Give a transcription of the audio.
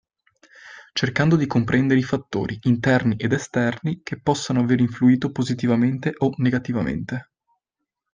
Cercando di comprendere i fattori (interni ed esterni) che possono aver influito positivamente o negativamente.